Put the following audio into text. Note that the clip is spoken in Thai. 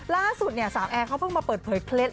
ล่าสุดเนี่ยสาวแอร์เขาเพิ่งมาเปิดเผยเคล็ด